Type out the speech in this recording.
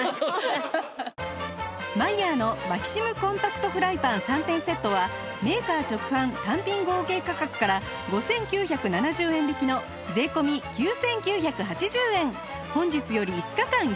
マイヤーのマキシムコンパクトフライパン３点セットはメーカー直販単品合計価格から５９７０円引きの税込９９８０円本日より５日間限定！